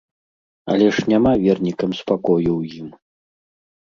Але ж няма вернікам спакою ў ім.